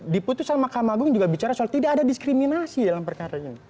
di putusan mahkamah agung juga bicara soal tidak ada diskriminasi dalam perkara ini